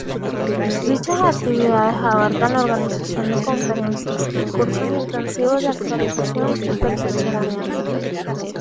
Dichas actividades abarcan la organización de conferencias, y cursos intensivos de actualización y perfeccionamiento.